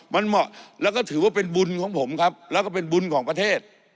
มันเหมาะแล้วก็ถือว่าเป็นบุญของผมครับแล้วก็เป็นบุญของประเทศ